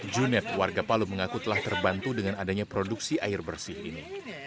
junet warga palu mengaku telah terbantu dengan adanya produksi air bersih ini